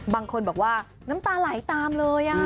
บางคนบอกว่าน้ำตาไหลตามเลย